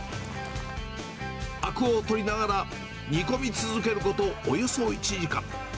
あくを取りながら煮込み続けることおよそ１時間。